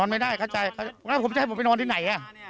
ไปจับมาได้